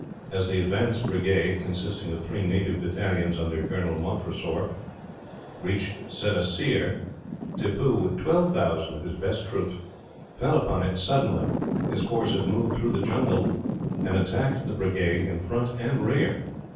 As the advance brigade, consisting of three native battalions, under Colonel Montresor, reached Sedaseer; Tippoo, with 12,000 of his best troops, fell upon it suddenly. His force had moved through the jungle, and attacked the brigade in front and rear.